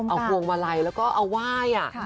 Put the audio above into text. เอาหวงมาลัยแล้วก็เอาว่าย